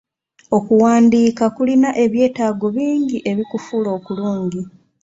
Okuwandiika kulina ebyetaago bingi ebikufuula okulungi.